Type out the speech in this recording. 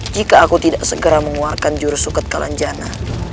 jika aku tidak segera mengeluarkan juru suket kalanjana